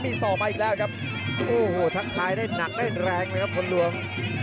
มีศอกมาอีกแล้วครับโอ้โหทักทายได้หนักได้แรงเลยครับคนหลวง